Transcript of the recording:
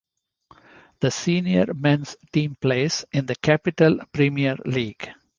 The senior men's team plays in the Capital Premier League.